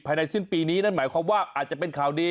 สิ้นปีนี้นั่นหมายความว่าอาจจะเป็นข่าวดี